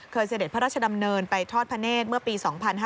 เสด็จพระราชดำเนินไปทอดพระเนธเมื่อปี๒๕๕๙